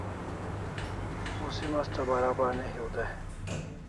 Musim Asta barabar ne hiu dai